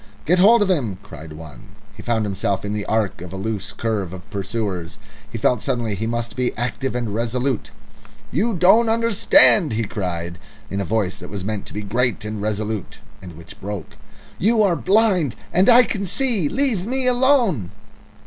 "Get hold of him!" cried one. He found himself in the arc of a loose curve of pursuers. He felt suddenly he must be active and resolute. "You don't understand," he cried in a voice that was meant to be great and resolute, and which broke. "You are blind, and I can see. Leave me alone!"